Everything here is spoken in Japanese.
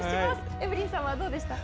エブリンさんはどうでした？